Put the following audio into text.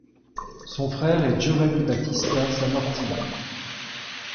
Son frère est Giovanni Battista Sammartini.